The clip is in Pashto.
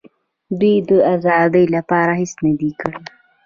دوی د آزادۍ لپاره هېڅ نه دي کړي.